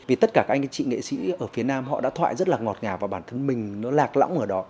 vì tất cả các anh chị nghệ sĩ ở phía nam họ đã thoại rất là ngọt ngào và bản thân mình nó lạc lõng ở đó